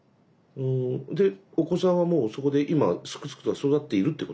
でお子さんはもうそこで今すくすくと育っているということね。